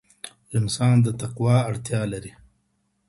انسان د تقوی اړتيا لري.